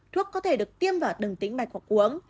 thuốc có thể được tiêm vào đường tính mạch hoặc uống